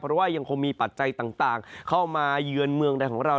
เพราะว่ายังคงมีปัจจัยต่างเข้ามาเยือนเมืองใดของเรา